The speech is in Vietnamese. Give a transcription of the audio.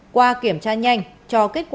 qua kiểm tra nhanh cho kết thúc